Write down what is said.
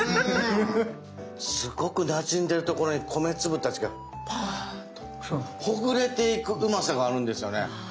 すごくなじんでるところに米粒たちがパーッとほぐれていくうまさがあるんですよね。